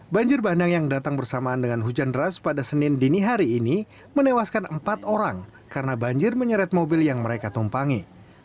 banjir bandang yang datang bersamaan dengan hujan deras pada senin dini hari ini menewaskan empat orang karena banjir menyeret mobil yang mereka tumpangi